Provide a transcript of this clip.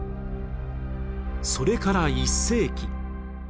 それから１世紀。